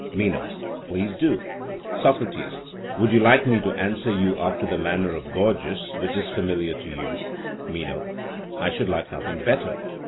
MENO: Please do. SOCRATES: Would you like me to answer you after the manner of Gorgias, which is familiar to you? MENO: I should like nothing better.